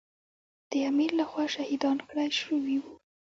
د امیر له خوا شهیدان کړای شوي وو.